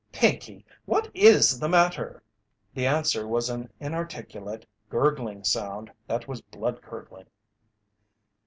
Pinkey! What is the matter?" The answer was an inarticulate, gurgling sound that was blood curdling.